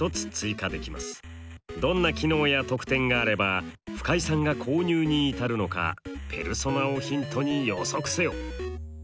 どんな機能や特典があれば深井さんが購入に至るのかペルソナをヒントに予測せよ。